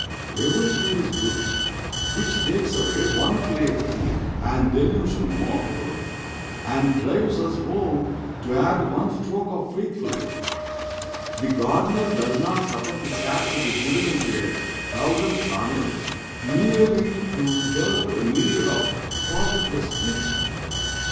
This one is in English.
Every thing is good which takes away one plaything and delusion more, and drives us home to add one stroke of faithful work." The gardener does not suffer the sap to be driven into a thousand channels merely to develop a myriad of profitless twigs.